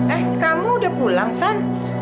eh kamu udah pulang kan